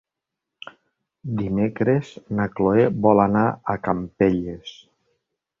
Dimecres na Cloè vol anar a Campelles.